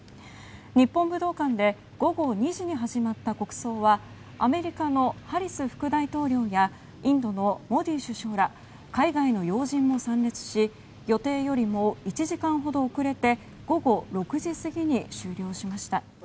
日本武道館で午後２時に始まった国葬はアメリカのハリス副大統領やインドのモディ首相ら海外の要人も参列し予定よりも１時間ほど遅れて午後６時過ぎに終了しました。